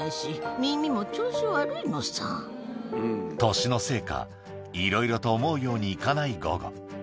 年のせいかいろいろと思うようにいかないゴゴ